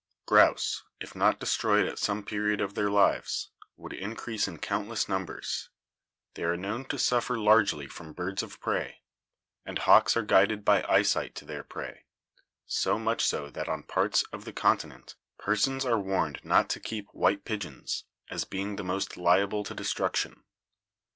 Grouse, if not destroyed at some period of their lives,, would increase in countless numbers; they are known to suffer largely from birds of prey ; and hawks are guided by eyesight to their prey — so much so that on parts of the Continent persons are warned not to keep white pigeons, as being the most liable to destruction.